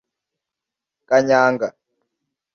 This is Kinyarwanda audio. Kanyanga